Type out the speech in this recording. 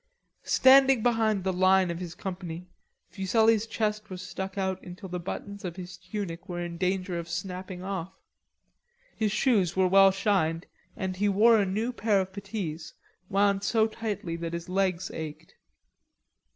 Standing behind the line of his company, Fuselli's chest was stuck out until the buttons of his tunic were in danger of snapping off. His shoes were well shined, and he wore a new pair of puttees, wound so tightly that his legs ached.